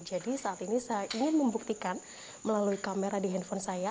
jadi saat ini saya ingin membuktikan melalui kamera di handphone saya